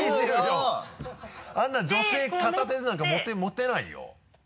あんなの女性片手でなんか持てないよ。